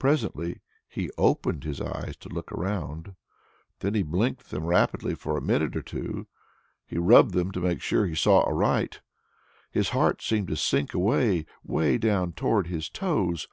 Presently he opened his eyes to look around. Then he blinked them rapidly for a minute or so. He rubbed them to make sure that he saw aright. His heart seemed to sink way, way down towards his toes.